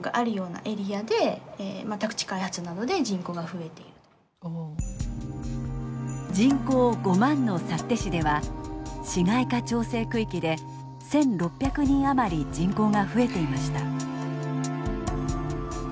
見て分かると思うんですけど人口５万の幸手市では市街化調整区域で１，６００人余り人口が増えていました。